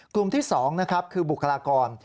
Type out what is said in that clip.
กลุ่มที่๒นะครับคือบุคลากร